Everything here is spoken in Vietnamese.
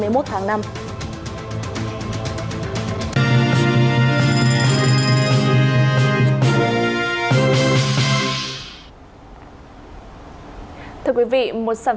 người vi phạm giao thông có thể nổ phản nguội vi phạm giao thông tại nơi cư trú theo thông tư mới chính thức có hiệu lực kể từ ngày hai mươi một tháng năm